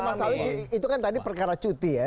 bang falsko itu kan tadi perkara cuti ya